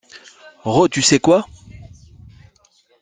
Roh tu sais quoi?